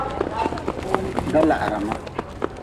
Da lahra ma.